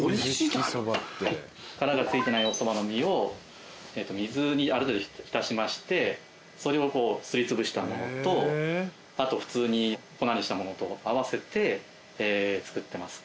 殻がついてないおそばの実を水にある程度浸しましてそれをすりつぶしたものとあと普通に粉にしたものと合わせて作ってます。